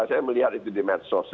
saya melihat itu di medsos